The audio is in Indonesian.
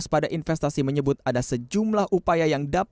satgas waspada investasi menyebut ada sejumlah upaya yang diperlukan